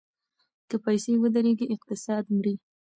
که پیسې ودریږي اقتصاد مري.